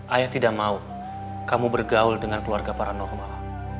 ayah tidak mau kamu bergaul dengan keluarga paranormal